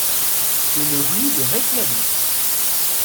Une rue de Reykjawik.